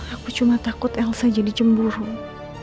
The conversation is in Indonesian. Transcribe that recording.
aku cuma takut elsa jadi cemburu